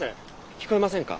聞こえませんか？